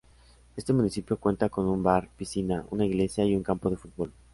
Este municipio cuenta con un bar, piscina, una iglesia y un campo de fútbol.